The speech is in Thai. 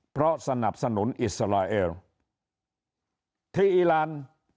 เพราะสนับสนุนอิสราเอลที่อีราน